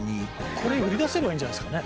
これ売り出せればいいんじゃないですかね。